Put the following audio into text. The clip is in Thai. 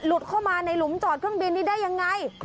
เข้ามาในหลุมจอดเครื่องบินนี้ได้ยังไง